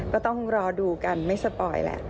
ก็ต้องรอดูกันไม่สปอยแหละ